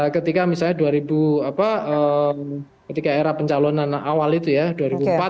ketika misalnya dua ribu ketika era pencalonan awal itu ya